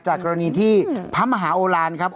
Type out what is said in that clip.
กรณีที่พระมหาโอลานครับ